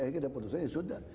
akhirnya kita putuskan ya sudah